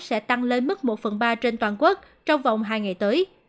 sẽ tăng lên mức một phần ba trên toàn quốc trong vòng hai ngày tới